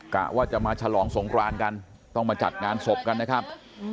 กะว่าจะมาฉลองสงครานกันต้องมาจัดงานศพกันนะครับ